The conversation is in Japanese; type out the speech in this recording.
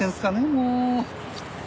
もう。